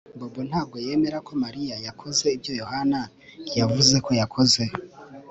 Bobo ntabwo yemera ko Mariya yakoze ibyo Yohana yavuze ko yakoze